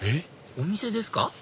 お店ですか？